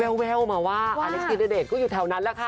ก็โน้นมาว่าอเล็กซีเด๊ดก็อยู่แถวนั้นละค่ะ